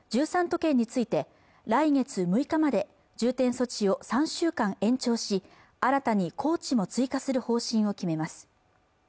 都県について来月６日まで重点措置を３週間延長し新たに高知も追加する方針を決めます